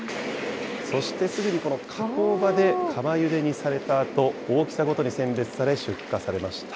そしてすぐにこの加工場で釜ゆでにされたあと、大きさごとに選別され、出荷されました。